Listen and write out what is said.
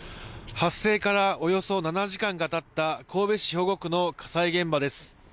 発生からおよそ７時間がたった、神戸市兵庫区の火災現場です。